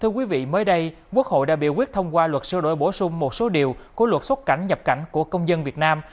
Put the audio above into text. thưa quý vị mới đây quốc hội đã biểu quyết thông qua luật siêu đổi bổ sung một số điều của luật xuất cảnh nhập cảnh của công dân việt nam